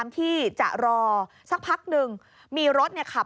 นี่ค่ะคุณผู้ชมพอเราคุยกับเพื่อนบ้านเสร็จแล้วนะน้า